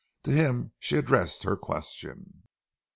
To him she addressed her question.